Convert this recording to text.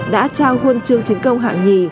đã trao huân chương chiến công hạng nhì